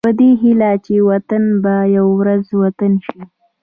په دې هيله چې وطن به يوه ورځ وطن شي.